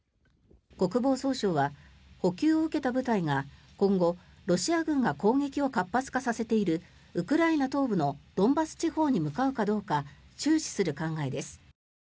国防総省は補給を受けた部隊が今後、ロシア軍が攻撃を活発化させているウクライナ東部のドンバス地方に向かうかどうか注視する考えです。